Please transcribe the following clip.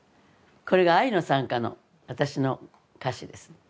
これが『愛の讃歌』の私の歌詞です。